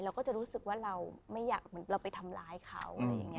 เราก็จะรู้สึกว่าเราไม่อยากเหมือนเราไปทำร้ายเขา